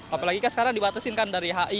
apalagi kan sekarang dibatasin kan dari hi